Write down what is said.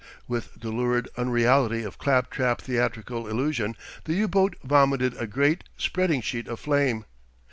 With the lurid unreality of clap trap theatrical illusion the U boat vomited a great, spreading sheet of flame....